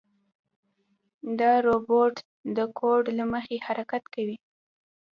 دا روبوټ د کوډ له مخې حرکت کوي.